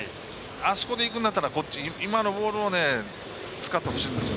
あそこでいくんだったら今のボールを使ってほしいです